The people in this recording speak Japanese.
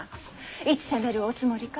いつ攻めるおつもりか？